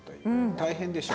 大変でしょ？